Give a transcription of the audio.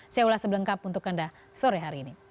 saya ulas sebelengkap untuk anda sore hari ini